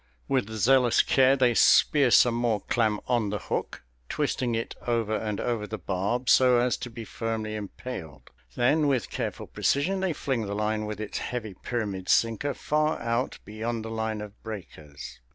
With zealous care they spear some more clam on the hook, twisting it over and over the barb so as to be firmly impaled. Then, with careful precision, they fling the line with its heavy pyramid sinker far out beyond the line of breakers.